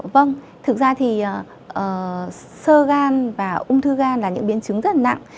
vâng thực ra thì sơ gan và ung thư gan là những biến chứng rất nặng